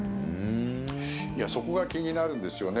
そこが気になるんですよね。